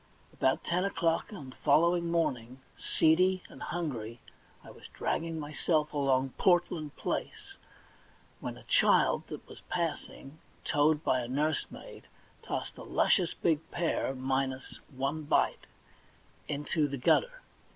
About ten o'clock on the following morning, seedy and hungry, I was dragging myself along Portland Place, when a child that was passing, towed by a nursemaid, tossed a luscious big pear — minus one bite — into the gutter.